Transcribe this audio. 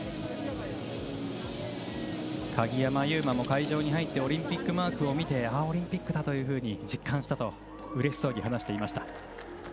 鍵山優真も会場に入ってオリンピックマークを見てあ、オリンピックだというふうに実感したとうれしそうに話していました。